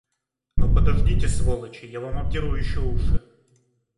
Но подождите, сволочи, я вам обдеру еще уши!